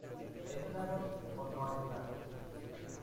¿ es raro o no es raro?